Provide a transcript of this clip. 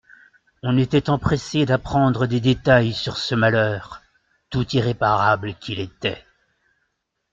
On était empressé d'apprendre des détails sur ce malheur, tout irréparable qu'il était.